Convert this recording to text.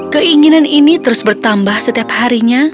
keinginan ini terus bertambah setiap harinya